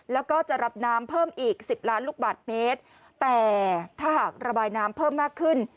แล้วก็จะรับน้ำเพิ่มอีกสิบล้านลูกบาทเมตรแต่ถ้าหากระบายน้ำเพิ่มมากขึ้น